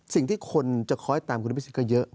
สิ่งที่คนจะคอยตามคุณอภิษฎก็เยอะ